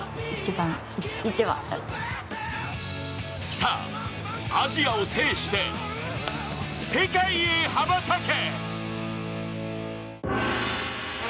さあ、アジアを制して世界へ羽ばたけ！